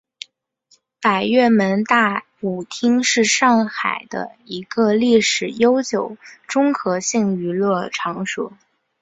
百乐门大舞厅是上海的一个历史悠久的综合性娱乐场所。